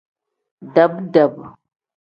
Dab-dab.